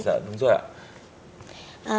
dạ đúng rồi ạ